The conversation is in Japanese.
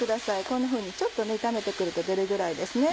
こんなふうにちょっと炒めて来ると出るぐらいですね。